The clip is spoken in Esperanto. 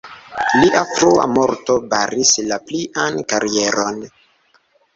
Lia frua morto baris la plian karieron.